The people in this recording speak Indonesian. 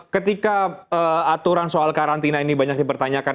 ketika aturan soal karantina ini banyak dipertanyakan